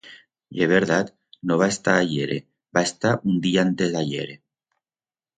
Ye verdat, no va estar ahiere, va estar un diya antes d'ahiere.